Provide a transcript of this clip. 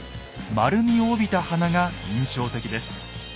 丸みを帯びた鼻が印象的です。